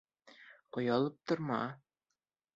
Оялып торма!